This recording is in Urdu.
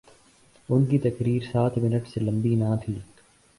ان کی تقریر سات منٹ سے لمبی نہ تھی۔